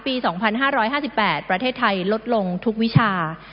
ปี๒๕๕๘ประเทศไทยลดลงทุกวิชา